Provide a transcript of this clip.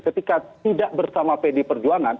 ketika tidak bersama pd perjuangan